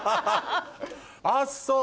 あっそう。